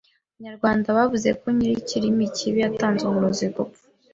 Abanyarwanda bavuga ko nyir’ikirimi kibi yatanze umurozi gupfa